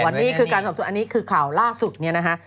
วันนี้คือการสอบสวนอันนี้คือข่าวล่าสุดเนี่ยนะฮะ